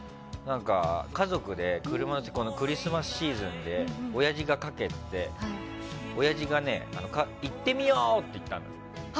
家族でクリスマスシーズンで親父がかけてて、親父が行ってみよう！って言ったの。